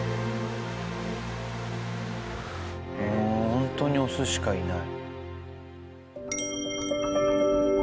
ホントにオスしかいない。